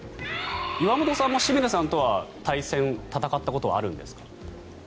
岩本さんも清水さんとは戦ったことはあるんですか？